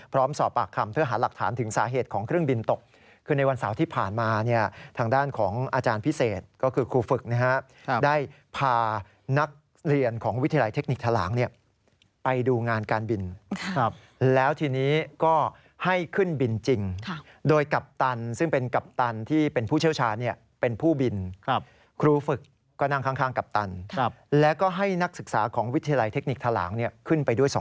พร้อมสอบปากคำเพื่อหาหลักฐานถึงสาเหตุของเครื่องบินตกคือในวันเสาร์ที่ผ่านมาเนี่ยทางด้านของอาจารย์พิเศษก็คือครูฟึกนะครับได้พานักเรียนของวิทยาลัยเทคนิคทะล้างเนี่ยไปดูงานการบินครับแล้วทีนี้ก็ให้ขึ้นบินจริงโดยกัปตันซึ่งเป็นกัปตันที่เป็นผู้เชี่ยวชาญเนี่ยเป็นผู้บินครับครู